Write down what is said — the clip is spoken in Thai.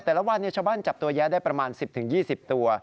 แต่ละวันชาวบ้านจับตัวแย้ได้ประมาณ๑๐๒๐ตัว